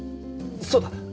そうだ！